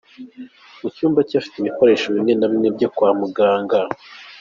Mu cyumba cye afitemo ibikoresho bimwe na bimwe byo kwa muganga.